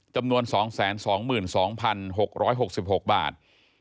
จำนวน๒๒๖๖บาท